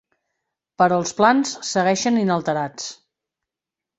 Però els plans segueixen inalterats.